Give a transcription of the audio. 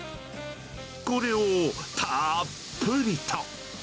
これをたーっぷりと。